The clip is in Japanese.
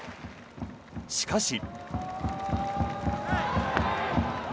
しかし。